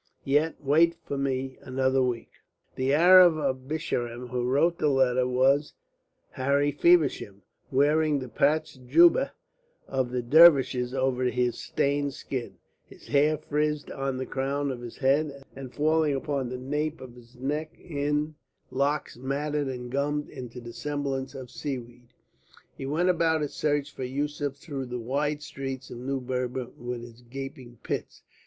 Yet wait for me another week." The Arab of the Bisharin who wrote the letter was Harry Feversham. Wearing the patched jubbeh of the Dervishes over his stained skin, his hair frizzed on the crown of his head and falling upon the nape of his neck in locks matted and gummed into the semblance of seaweed, he went about his search for Yusef through the wide streets of New Berber with its gaping pits.